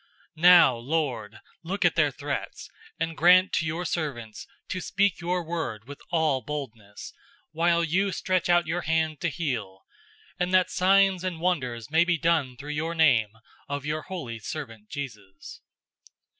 004:029 Now, Lord, look at their threats, and grant to your servants to speak your word with all boldness, 004:030 while you stretch out your hand to heal; and that signs and wonders may be done through the name of your holy Servant Jesus."